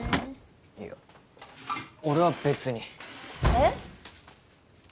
いや俺は別にえっ？